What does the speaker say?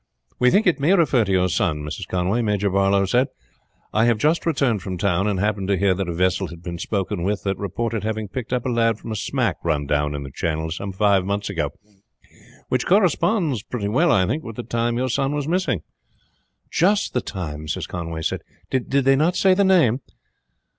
"We think it may refer to your son, Mrs. Conway," Major Barlow said. "I have just returned from town, and happened to hear that a vessel had been spoken with that reported having picked up a lad from a smack run down in the channel some five months ago, which corresponds pretty well, I think, with the time your son was missing." "Just the time," Mrs. Conway said. "Did they not say the name?"